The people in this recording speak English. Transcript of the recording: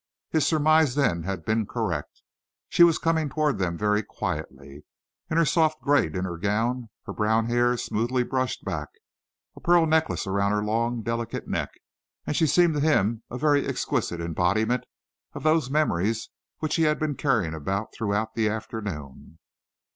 His surmise, then, had been correct. She was coming towards them very quietly. In her soft grey dinner gown, her brown hair smoothly brushed back, a pearl necklace around her long, delicate neck, she seemed to him a very exquisite embodiment of those memories which he had been carrying about throughout the afternoon.